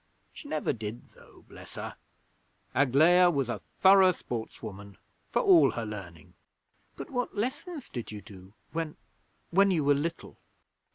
She never did, though, bless her! Aglaia was a thorough sportswoman, for all her learning.' 'But what lessons did you do when when you were little?'